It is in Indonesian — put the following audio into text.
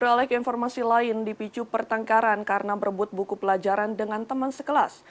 beralek informasi lain dipicu pertangkaran karena berebut buku pelajaran dengan teman sekelas